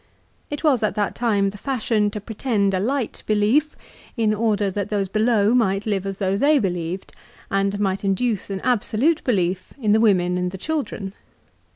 It was at that time the fashion to pretend a light belief, in order that those below might live as though they believed, and might induce an absolute CICERO'S RELIGION. 393 belief in the women and the children.